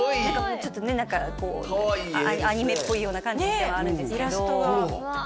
ちょっとね何かこうアニメっぽいような感じではあるんですけどうわ